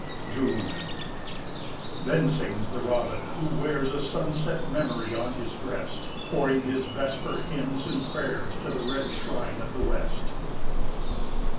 June. "Then sings the Robin, he who wears A sunset memory on his breast, Pouring his vesper hymns and prayers To the red shrine of the West."